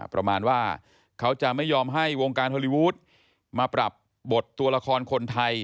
ประมาณว่าเขาจะไม่ยอมให้วงการฮอลลีวูดมาปรับบทตัวละครคนไทย